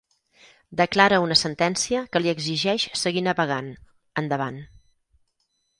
Declara una sentència que li exigeix seguir navegant, endavant.